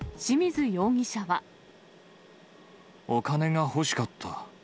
お金が欲しかった。